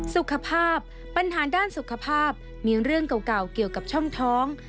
สุขภาพปัญหาด้านสุขภาพมีเรื่องเก่าเกี่ยวกับช่องท้อง